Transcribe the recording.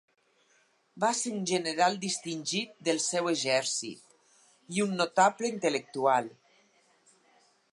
Va ser un general distingit del seu exèrcit i un notable intel·lectual.